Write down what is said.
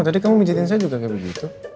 tadi kamu mijitin saya juga kayak begitu